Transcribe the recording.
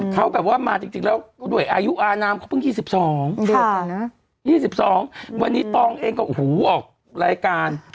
เขาแบบว่ามาจริงแล้วด้วยอายุอานามเขาเพิ่ง๒๒วันนี้ตองเองก็โอ้โหออกรายการ